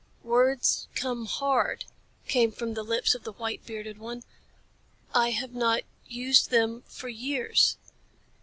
"Words come hard," came from the lips of the white bearded one. "I have not used them for years."